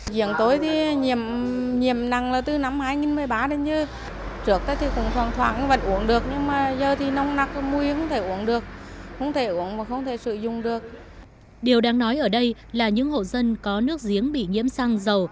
điều đang nói ở đây là những hộ dân có nước diếng bị nhiễm xăng dầu đều ở gần một cây xăng nhưng các ngành chức năng vẫn chưa làm rõ